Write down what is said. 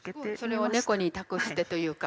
それを猫に託してというか。